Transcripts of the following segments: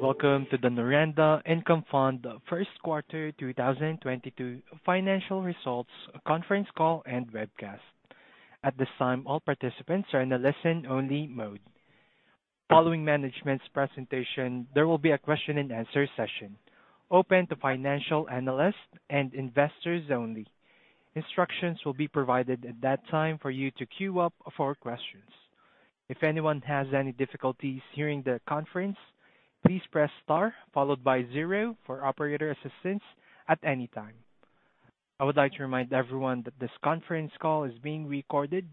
Welcome to the Noranda Income Fund first quarter 2022 financial results conference call and webcast. At this time, all participants are in a listen-only mode. Following management's presentation, there will be a question and answer session open to financial analysts and investors only. Instructions will be provided at that time for you to queue up for questions. If anyone has any difficulties hearing the conference, please press star followed by zero for operator assistance at any time. I would like to remind everyone that this conference call is being recorded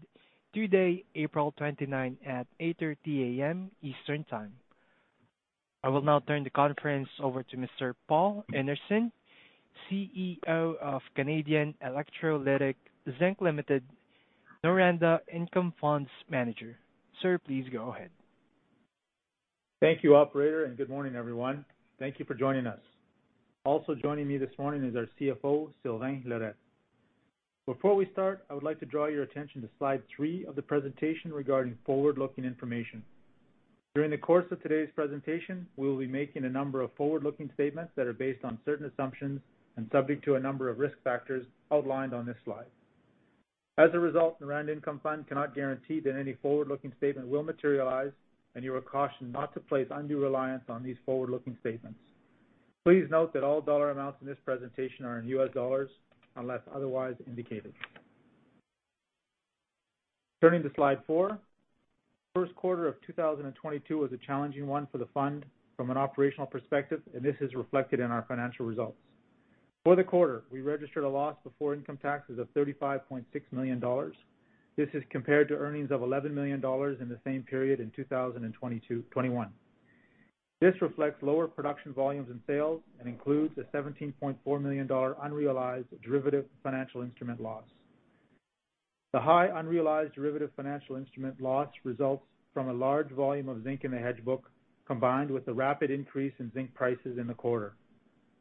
today, April 29th, at 8:30 A.M. Eastern Time. I will now turn the conference over to Mr. Paul Anderson, CEO of Canadian Electrolytic Zinc Limited, Noranda Income Fund's manager. Sir, please go ahead. Thank you, operator, and good morning, everyone. Thank you for joining us. Also joining me this morning is our CFO, Sylvain Lorette. Before we start, I would like to draw your attention to slide three of the presentation regarding forward-looking information. During the course of today's presentation, we will be making a number of forward-looking statements that are based on certain assumptions and subject to a number of risk factors outlined on this slide. As a result, Noranda Income Fund cannot guarantee that any forward-looking statement will materialize, and you are cautioned not to place undue reliance on these forward-looking statements. Please note that all dollar amounts in this presentation are in US dollars unless otherwise indicated. Turning to slide four. First quarter of 2022 was a challenging one for the fund from an operational perspective, and this is reflected in our financial results. For the quarter, we registered a loss before income taxes of 35.6 million dollars. This is compared to earnings of 11 million dollars in the same period in 2021. This reflects lower production volumes and sales and includes a 17.4 million dollar unrealized derivative financial instrument loss. The high unrealized derivative financial instrument loss results from a large volume of zinc in the hedge book, combined with the rapid increase in zinc prices in the quarter.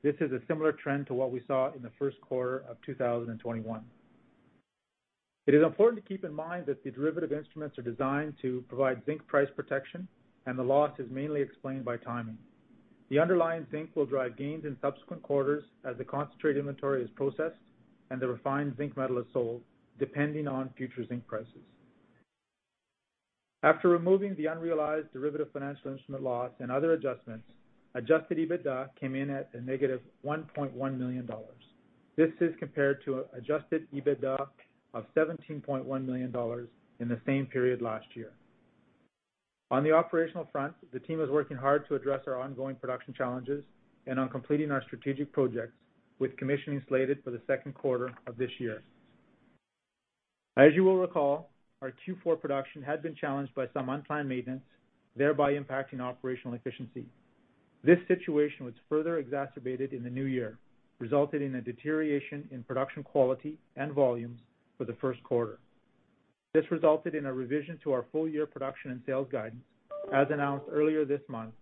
This is a similar trend to what we saw in the first quarter of 2021. It is important to keep in mind that the derivative instruments are designed to provide zinc price protection, and the loss is mainly explained by timing. The underlying zinc will drive gains in subsequent quarters as the concentrate inventory is processed and the refined zinc metal is sold, depending on future zinc prices. After removing the unrealized derivative financial instrument loss and other adjustments, Adjusted EBITDA came in at a negative $1.1 million. This is compared to Adjusted EBITDA of $17.1 million in the same period last year. On the operational front, the team is working hard to address our ongoing production challenges and on completing our strategic projects, with commissioning slated for the second quarter of this year. As you will recall, our Q4 production had been challenged by some unplanned maintenance, thereby impacting operational efficiency. This situation was further exacerbated in the new year, resulting in a deterioration in production quality and volumes for the first quarter. This resulted in a revision to our full-year production and sales guidance as announced earlier this month.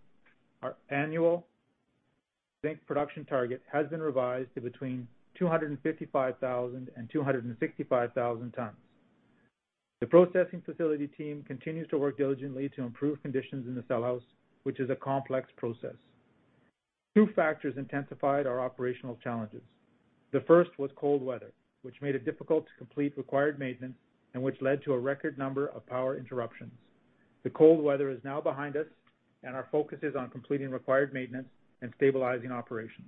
Our annual zinc production target has been revised to between 255,000 and 265,000 tons. The processing facility team continues to work diligently to improve conditions in the cell house, which is a complex process. Two factors intensified our operational challenges. The first was cold weather, which made it difficult to complete required maintenance and which led to a record number of power interruptions. The cold weather is now behind us, and our focus is on completing required maintenance and stabilizing operations.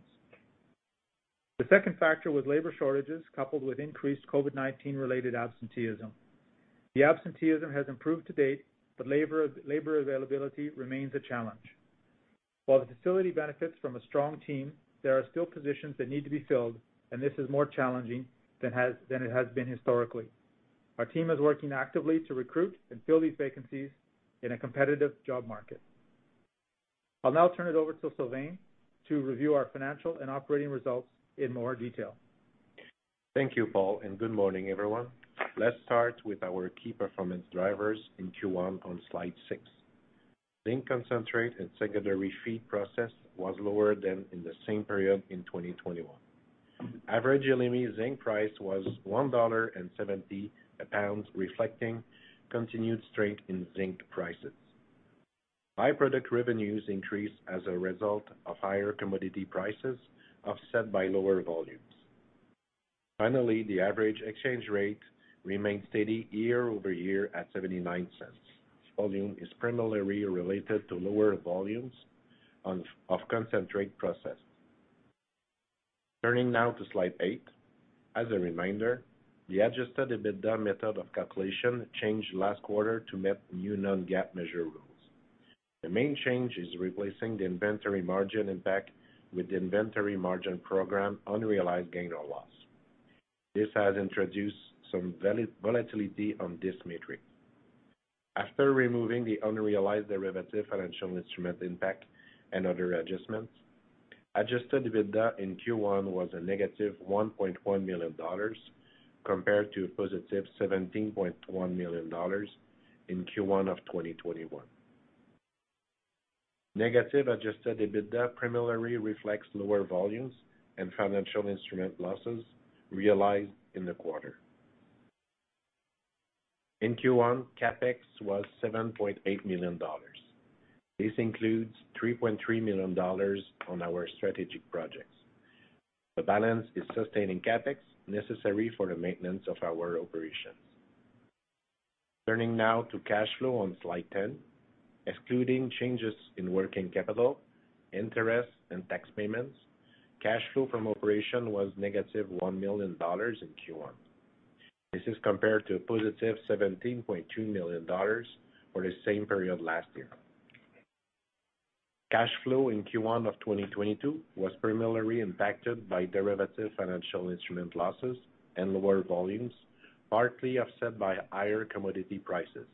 The second factor was labor shortages, coupled with increased COVID-19 related absenteeism. The absenteeism has improved to date, but labor availability remains a challenge. While the facility benefits from a strong team, there are still positions that need to be filled, and this is more challenging than it has been historically. Our team is working actively to recruit and fill these vacancies in a competitive job market. I'll now turn it over to Sylvain to review our financial and operating results in more detail. Thank you, Paul, and good morning, everyone. Let's start with our key performance drivers in Q1 on slide six. Zinc concentrate and secondary feed process was lower than in the same period in 2021. Average LME zinc price was $1.70 a pound, reflecting continued strength in zinc prices. Byproduct revenues increased as a result of higher commodity prices, offset by lower volumes. Finally, the average exchange rate remained steady YoY at $0.79. This volume is primarily related to lower volumes of concentrate processed. Turning now to slide eight. As a reminder, the Adjusted EBITDA method of calculation changed last quarter to meet new non-GAAP measure rules. The main change is replacing the inventory margin impact with the inventory margin program unrealized gain or loss. This has introduced some volatility on this metric. After removing the unrealized derivative financial instrument impact and other adjustments, Adjusted EBITDA in Q1 was a negative $1.1 million compared to positive $17.1 million in Q1 of 2021. Negative Adjusted EBITDA primarily reflects lower volumes and financial instrument losses realized in the quarter. In Q1, CapEx was $7.8 million. This includes $3.3 million on our strategic projects. The balance is sustaining CapEx necessary for the maintenance of our operations. Turning now to cash flow on slide 10. Excluding changes in working capital, interest, and tax payments, cash flow from operation was negative $1 million in Q1. This is compared to a positive $17.2 million for the same period last year. Cash flow in Q1 of 2022 was primarily impacted by derivative financial instrument losses and lower volumes, partly offset by higher commodity prices.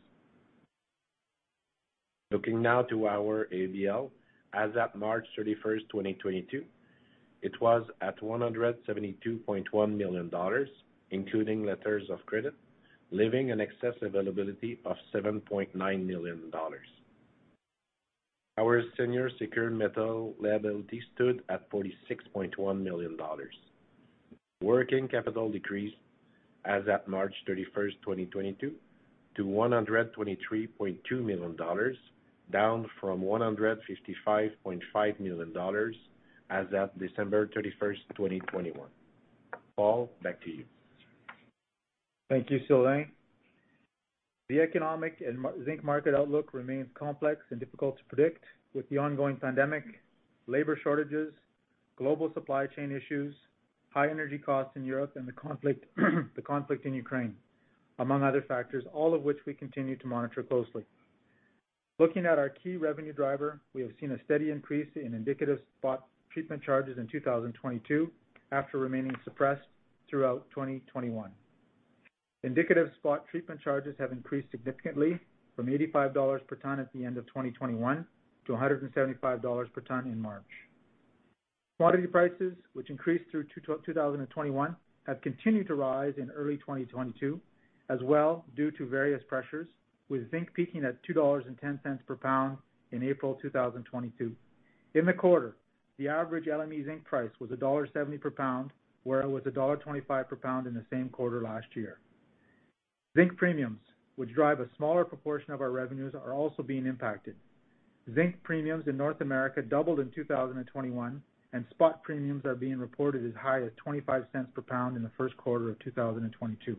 Looking now to our ABL, as at March 31st, 2022, it was at $172.1 million, including letters of credit, leaving an excess availability of $7.9 million. Our senior secured metal liability stood at $46.1 million. Working capital decreased as at March 31st, 2022 to $123.2 million, down from $155.5 million as at December 31st, 2021. Paul, back to you. Thank you, Sylvain. The economic and zinc market outlook remains complex and difficult to predict with the ongoing pandemic, labor shortages, global supply chain issues, high energy costs in Europe, and the conflict in Ukraine, among other factors, all of which we continue to monitor closely. Looking at our key revenue driver, we have seen a steady increase in indicative spot treatment charges in 2022 after remaining suppressed throughout 2021. Indicative spot treatment charges have increased significantly from $85 per ton at the end of 2021 to $175 per ton in March. Commodity prices, which increased through 2021, have continued to rise in early 2022 as well due to various pressures, with zinc peaking at $2.10 per pound in April 2022. In the quarter, the average LME zinc price was $1.70 per pound, where it was $1.25 per pound in the same quarter last year. Zinc premiums, which drive a smaller proportion of our revenues, are also being impacted. Zinc premiums in North America doubled in 2021, and spot premiums are being reported as high as $0.25 per pound in the first quarter of 2022.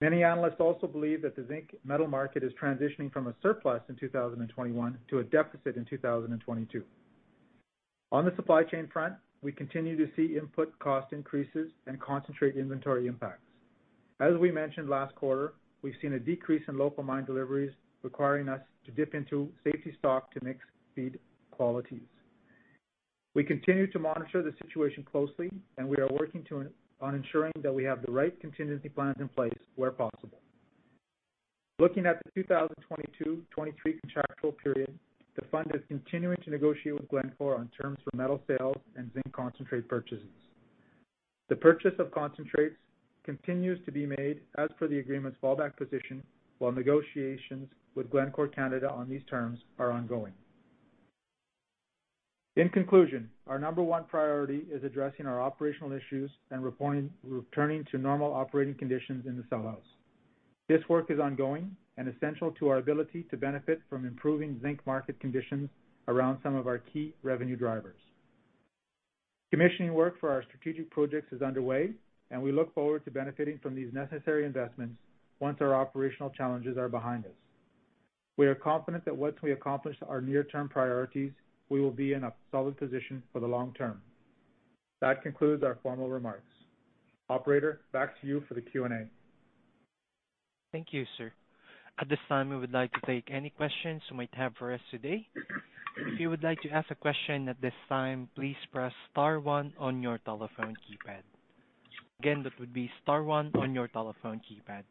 Many analysts also believe that the zinc metal market is transitioning from a surplus in 2021 to a deficit in 2022. On the supply chain front, we continue to see input cost increases and concentrate inventory impacts. As we mentioned last quarter, we've seen a decrease in local mine deliveries, requiring us to dip into safety stock to mix feed qualities. We continue to monitor the situation closely, and we are working on ensuring that we have the right contingency plans in place where possible. Looking at the 2022-2023 contractual period, the fund is continuing to negotiate with Glencore on terms for metal sales and zinc concentrate purchases. The purchase of concentrates continues to be made as per the agreement's fallback position, while negotiations with Glencore Canada on these terms are ongoing. In conclusion, our number one priority is addressing our operational issues and returning to normal operating conditions in the cell house. This work is ongoing and essential to our ability to benefit from improving zinc market conditions around some of our key revenue drivers. Commissioning work for our strategic projects is underway, and we look forward to benefiting from these necessary investments once our operational challenges are behind us. We are confident that once we accomplish our near-term priorities, we will be in a solid position for the long term. That concludes our formal remarks. Operator, back to you for the Q&A. Thank you, sir. At this time, we would like to take any questions you might have for us today. If you would like to ask a question at this time, please press star one on your telephone keypad. Again, that would be star one on your telephone keypad.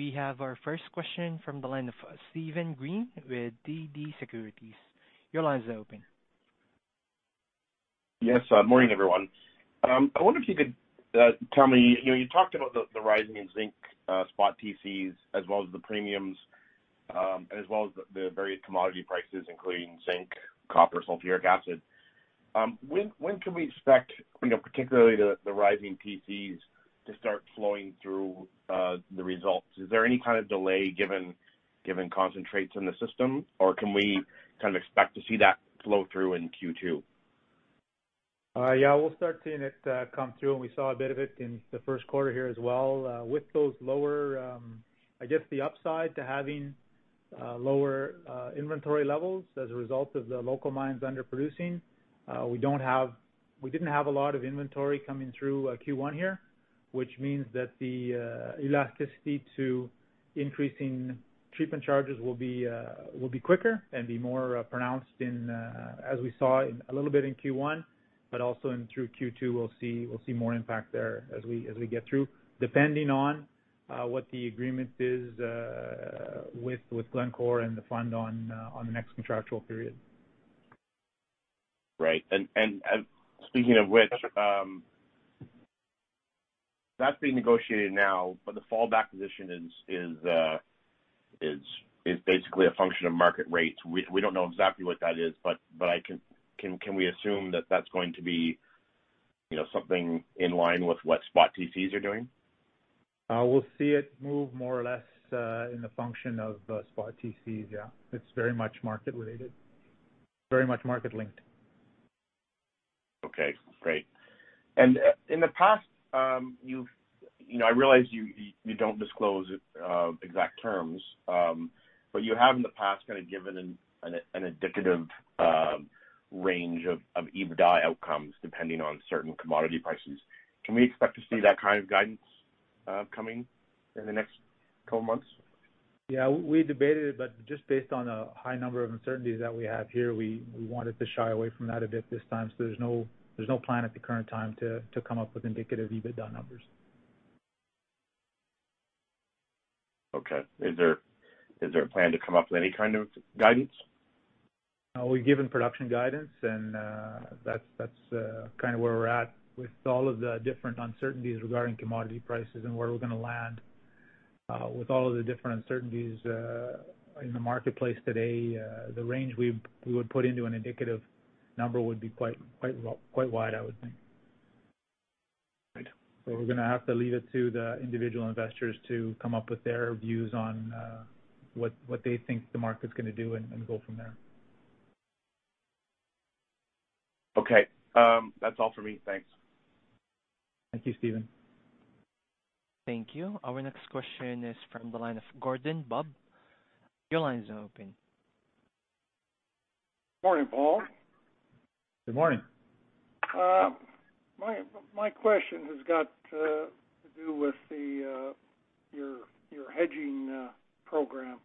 We have our first question from the line of Steven Green with TD Securities. Your line is open. Yes. Morning, everyone. I wonder if you could tell me, you talked about the rise in zinc spot TCs, as well as the premiums, as well as the various commodity prices, including zinc, copper, sulfuric acid. When can we expect, particularly the rising TCs, to start flowing through the results? Is there any kind of delay given concentrates in the system, or can we expect to see that flow through in Q2? We'll start seeing it come through, and we saw a bit of it in the first quarter here as well. With those lower, I guess the upside to having lower inventory levels as a result of the local mines underproducing. We didn't have a lot of inventory coming through Q1 here, which means that the elasticity to increasing treatment charges will be quicker and be more pronounced as we saw a little bit in Q1, but also through Q2, we'll see more impact there as we get through, depending on what the agreement is with Glencore and the Fund on the next contractual period. Right. Speaking of which, that's being negotiated now, but the fallback position is basically a function of market rates. We don't know exactly what that is, but can we assume that that's going to be something in line with what spot TCs are doing? We'll see it move more or less in the function of spot TCs, yeah. It's very much market related, very much market linked. Okay, great. In the past, I realize you don't disclose exact terms, but you have in the past kind of given an indicative range of EBITDA outcomes depending on certain commodity prices. Can we expect to see that kind of guidance coming in the next couple of months? Yeah, we debated it, but just based on a high number of uncertainties that we have here, we wanted to shy away from that a bit this time. There's no plan at the current time to come up with indicative EBITDA numbers. Okay. Is there a plan to come up with any kind of guidance? We've given production guidance, and that's kind of where we're at with all of the different uncertainties regarding commodity prices and where we're going to land. With all of the different uncertainties in the marketplace today, the range we would put into an indicative number would be quite wide, I would think. Right. We're going to have to leave it to the individual investors to come up with their views on what they think the market's going to do and go from there. Okay. That's all for me. Thanks. Thank you, Steven. Thank you. Our next question is from the line of Gordon Bob. Morning, Paul. Good morning. My question has got to do with your hedging program.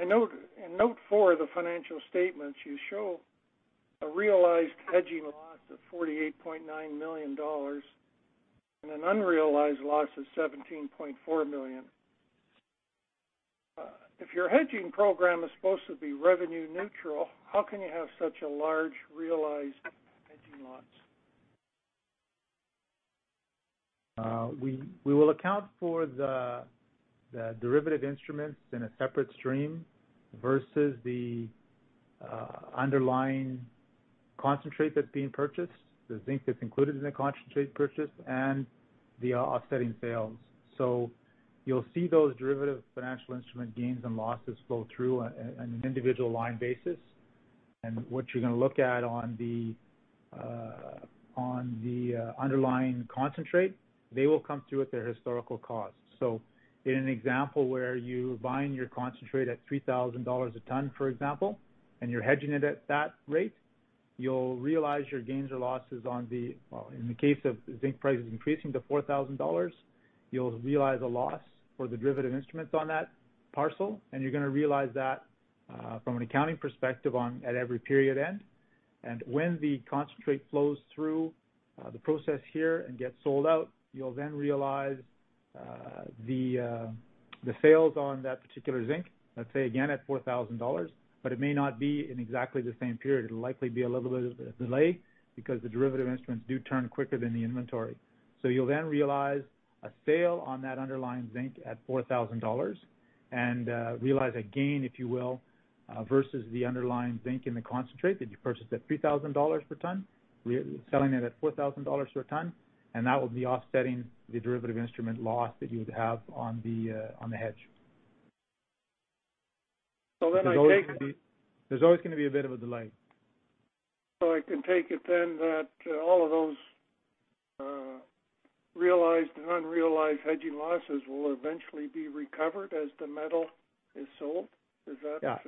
In note four of the financial statements, you show a realized hedging loss of $48.9 million and an unrealized loss of $17.4 million. If your hedging program is supposed to be revenue neutral, how can you have such a large realized hedging loss? We will account for the derivative instruments in a separate stream versus the underlying concentrate that's being purchased, the zinc that's included in the concentrate purchase, and the offsetting sales. You'll see those derivative financial instrument gains and losses flow through on an individual line basis. What you're going to look at on the underlying concentrate, they will come through at their historical cost. In an example where you're buying your concentrate at $3,000 a ton, for example, and you're hedging it at that rate, you'll realize your gains or losses. Well, in the case of zinc prices increasing to $4,000, you'll realize a loss for the derivative instruments on that parcel, and you're going to realize that from an accounting perspective at every period end. When the concentrate flows through the process here and gets sold out, you'll then realize the sales on that particular zinc, let's say again at $4,000, but it may not be in exactly the same period. It'll likely be a little bit of a delay because the derivative instruments do turn quicker than the inventory. You'll then realize a sale on that underlying zinc at $4,000 and realize a gain, if you will, versus the underlying zinc in the concentrate that you purchased at $3,000 per ton. We're selling it at $4,000 per ton. That will be offsetting the derivative instrument loss that you would have on the hedge. So then I take- There's always going to be a bit of a delay. I can take it then that all of those realized and unrealized hedging losses will eventually be recovered as the metal is sold? Yeah.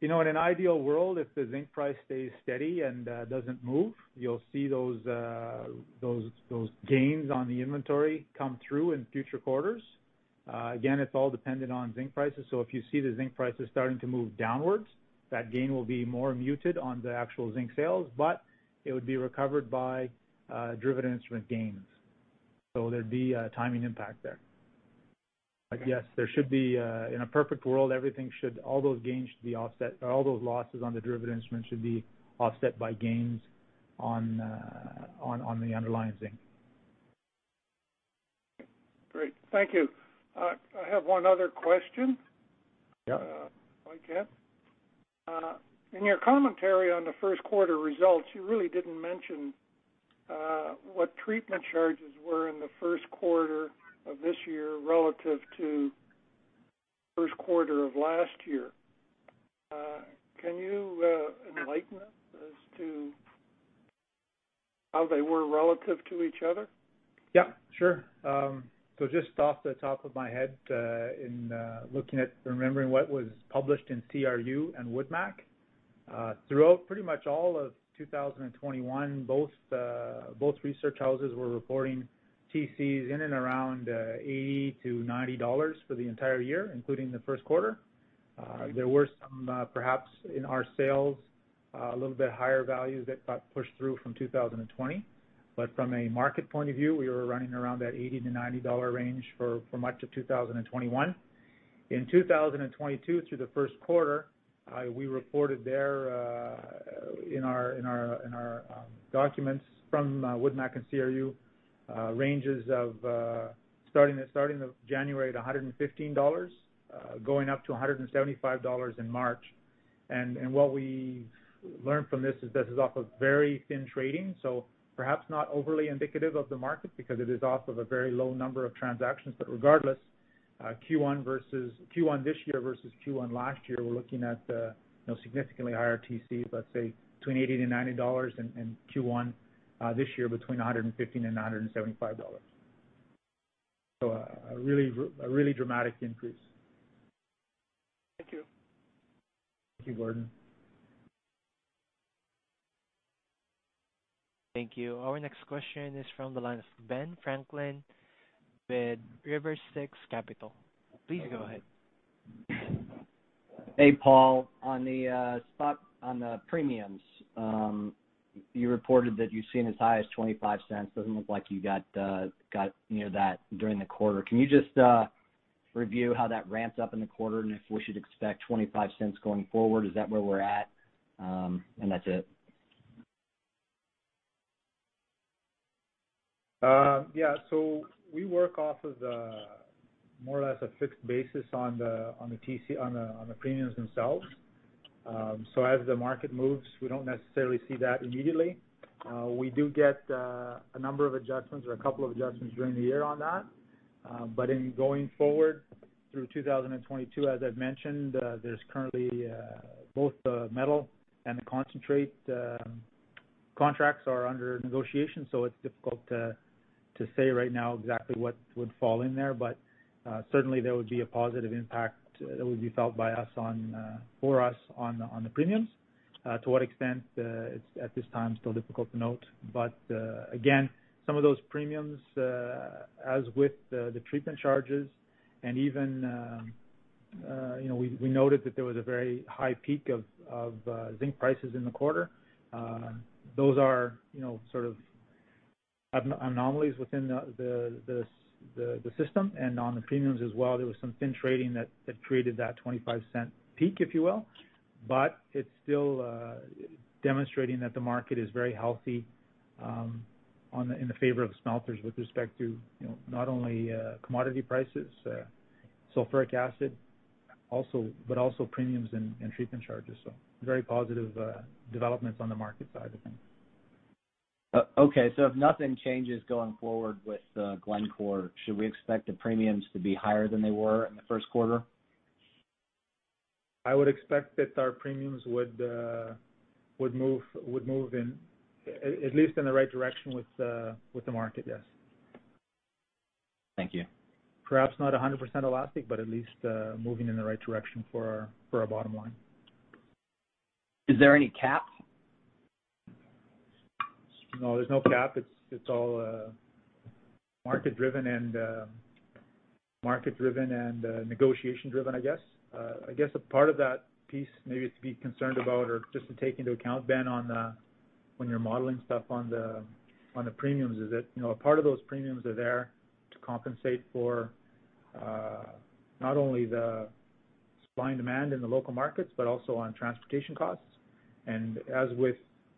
In an ideal world, if the zinc price stays steady and doesn't move, you'll see those gains on the inventory come through in future quarters. Again, it's all dependent on zinc prices. If you see the zinc prices starting to move downwards, that gain will be more muted on the actual zinc sales, but it would be recovered by derivative instrument gains. There'd be a timing impact there. Yes, in a perfect world, all those losses on the derivative instrument should be offset by gains on the underlying zinc. Great. Thank you. I have one other question. Yeah. If I can. In your commentary on the first quarter results, you really didn't mention what treatment charges were in the first quarter of this year relative to first quarter of last year. Can you enlighten us as to how they were relative to each other? Yeah. Sure. Just off the top of my head, in looking at remembering what was published in CRU and Wood Mackenzie, throughout pretty much all of 2021, both research houses were reporting TCs in and around $80-$90 for the entire year, including the first quarter. There were some, perhaps in our sales, a little bit higher values that got pushed through from 2020. From a market point of view, we were running around that $80-$90 range for much of 2021. In 2022, through the first quarter, we reported there in our documents from Wood Mackenzie and CRU ranges of starting January at $115, going up to $175 in March. What we learned from this is this is off of very thin trading, so perhaps not overly indicative of the market because it is off of a very low number of transactions. Regardless, Q1 this year versus Q1 last year, we're looking at significantly higher TC, let's say between $80-$90, and Q1 this year between $115 and $175. A really dramatic increase. Thank you. Thank you, Gordon. Thank you. Our next question is from the line of Ben Franklin with River6 Capital. Please go ahead. Hey, Paul. On the spot on the premiums, you reported that you've seen as high as $0.25. Doesn't look like you got near that during the quarter. Can you just review how that ramps up in the quarter and if we should expect $0.25 going forward? Is that where we're at? That's it. Yeah. We work off of the more or less a fixed basis on the premiums themselves. As the market moves, we don't necessarily see that immediately. We do get a number of adjustments or a couple of adjustments during the year on that. In going forward through 2022, as I've mentioned, there's currently both the metal and the concentrate contracts are under negotiation, so it's difficult to say right now exactly what would fall in there. Certainly there would be a positive impact that would be felt by us on, for us on the premiums. To what extent, it's at this time still difficult to note. Again, some of those premiums, as with the treatment charges and even, we noted that there was a very high peak of zinc prices in the quarter. Those are sort of anomalies within the system and on the premiums as well. There was some thin trading that created that $0.25 peak, if you will. It's still demonstrating that the market is very healthy in the favor of smelters with respect to not only commodity prices, sulfuric acid, but also premiums and treatment charges. Very positive developments on the market side of things. Okay. If nothing changes going forward with Glencore, should we expect the premiums to be higher than they were in the first quarter? I would expect that our premiums would move in, at least in the right direction with the market, yes. Thank you. Perhaps not 100% elastic, but at least moving in the right direction for our bottom line. Is there any Cap? No, there's no Cap. It's all market-driven and negotiation-driven, I guess. I guess a part of that piece maybe to be concerned about or just to take into account, Ben, on when you're modeling stuff on the premiums is that, a part of those premiums are there to compensate for not only the supply and demand in the local markets, but also on transportation costs. As with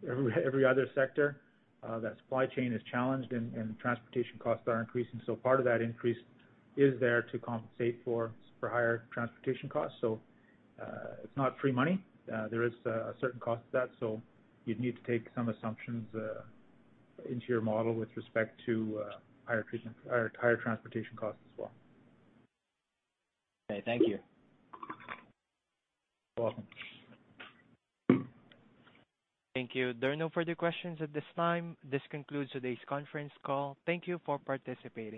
every other sector, that supply chain is challenged and transportation costs are increasing. Part of that increase is there to compensate for higher transportation costs. It's not free money. There is a certain cost to that. You'd need to take some assumptions into your model with respect to higher transportation costs as well. Okay. Thank you. You're welcome. Thank you. There are no further questions at this time. This concludes today's conference call. Thank you for participating.